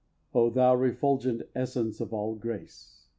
O thou refulgent essence of all grace!